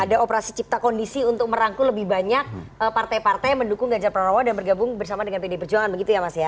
ada operasi cipta kondisi untuk merangkul lebih banyak partai partai mendukung gajah perorawan dan bergabung bersama dengan pdi perjuangan begitu ya mas